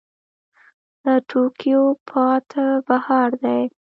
له توتکیو پاته بهار دی